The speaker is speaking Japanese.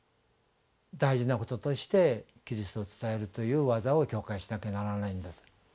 大事なこととしてキリストを伝えるという業を教会はしなきゃならないんです。